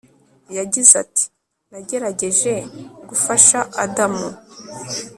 yagize ati nagerageje gufasha adamu